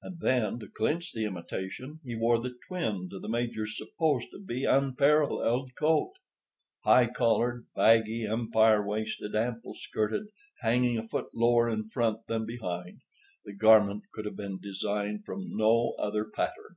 And then, to clinch the imitation, he wore the twin to the Major's supposed to be unparalleled coat. High collared, baggy, empire waisted, ample skirted, hanging a foot lower in front than behind, the garment could have been designed from no other pattern.